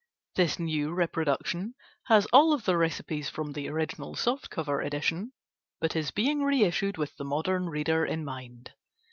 This new reproduction has all of the recipes from the original softcover edition, but is being reissued with the modern reader in mind.